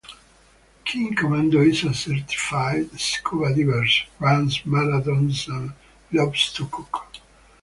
Kim Komando is a certified scuba diver, runs marathons and loves to cook.